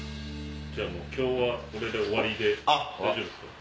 今日はこれで終わりで大丈夫ですか？